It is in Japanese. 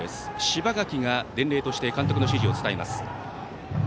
柴垣が伝令として監督の指示を伝えます。